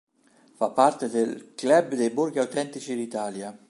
Fa parte del "club dei borghi autentici d'Italia".